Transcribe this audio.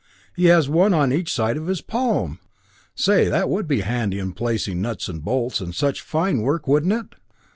He has one on each side of his palm! Say, that would be handy in placing nuts and bolts, and such fine work, wouldn't it?"